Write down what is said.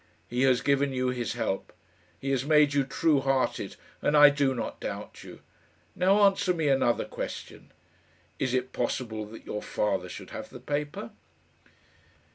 "He has given you His help. He has made you true hearted, and I do not doubt you. Now answer me another question. Is it possible that your father should have the paper?"